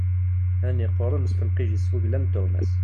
Ayen yeqquṛen, nesfelqij-it s wuglan d tuɣmas.